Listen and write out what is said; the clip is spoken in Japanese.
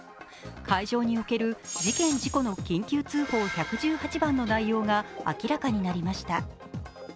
海上における事件・事故の緊急通報１１８番通報の内容が明らかになりました。